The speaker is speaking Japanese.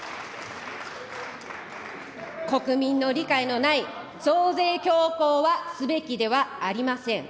国民の理解のない増税強行はすべきではありません。